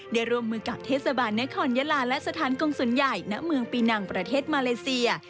ร่วมมือกับเทศบาลนครยะลาและสถานกงศูนย์ใหญ่ณเมืองปีนังประเทศมาเลเซีย